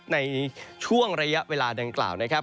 ในช่วงระยะเวลาดังกล่าวนะครับ